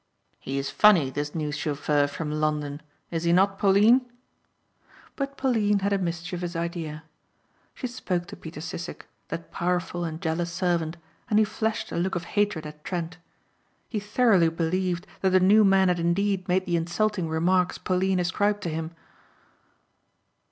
"He is funny, this new chauffeur from London is he not Pauline?" But Pauline had a mischievous idea. She spoke to Peter Sissek, that powerful and jealous servant, and he flashed a look of hatred at Trent. He thoroughly believed that the new man had indeed made the insulting remarks Pauline ascribed to him.